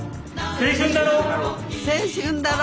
青春だろ！